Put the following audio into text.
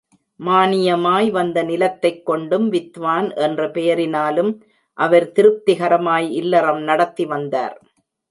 மானியமாய் வந்த நிலத்தைக் கொண்டும் வித்வான் என்ற பெயரினாலும் அவர் திருப்திகரமாய் இல்லறம் நடத்தி வந்தார்.